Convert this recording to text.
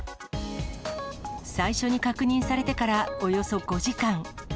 最初に確認されてからおよそ５時間。